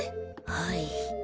はい。